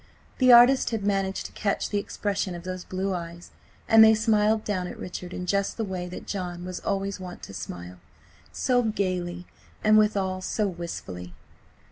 The artist had managed to catch the expression of those blue eyes, and they smiled down at Richard in just the way that John was always wont to smile–so gaily, and withal so wistfully.